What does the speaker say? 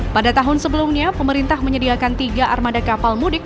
pada tahun sebelumnya pemerintah menyediakan tiga armada kapal mudik